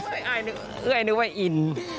สงสัยแปลว่าอิน